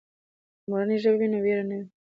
که مورنۍ ژبه وي نو وېره نه وي.